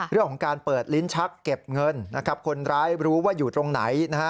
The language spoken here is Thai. เรื่องของการเปิดลิ้นชักเก็บเงินนะครับคนร้ายรู้ว่าอยู่ตรงไหนนะฮะ